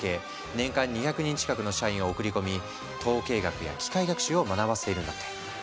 年間２００人近くの社員を送り込み統計学や機械学習を学ばせているんだって。